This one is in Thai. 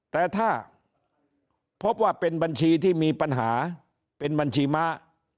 แต่ถ้าพบว่าเป็นบัญชีที่มีปัญหาเป็นบัญชีม้า